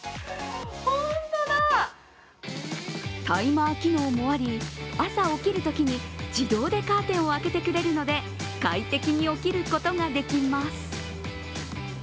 タイマー機能もあり、朝起きるときに自動でカーテンを開けてくれるので快適に起きることができます。